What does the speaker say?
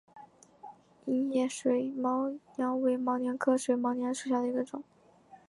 硬叶水毛茛为毛茛科水毛茛属下的一个种。